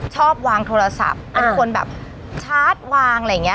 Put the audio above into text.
ชอบวางโทรศัพท์เป็นคนแบบชาร์จวางอะไรอย่างนี้